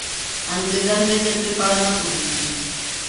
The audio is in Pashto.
انګریزان د دې جګړې په اړه نه پوهېږي.